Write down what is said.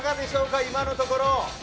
今のところ。